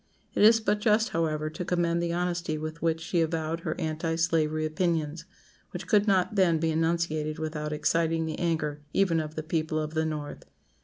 It is but just, however, to commend the honesty with which she avowed her anti slavery opinions, which could not then be enunciated without exciting the anger even of the people of the North.